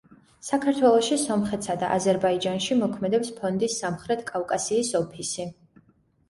საქართველოში, სომხეთსა და აზერბაიჯანში მოქმედებს ფონდის სამხრეთ კავკასიის ოფისი.